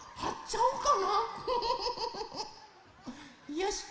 よし！